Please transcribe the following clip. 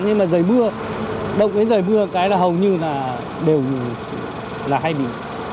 nhưng mà rời mưa đông đến rời mưa cái là hầu như là đều là hay bị